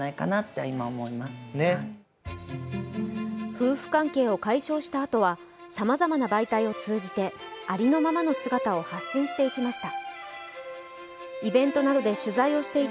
夫婦関係を解消したあとはさまざまな媒体を通じて、ありのままの姿を発信していきました。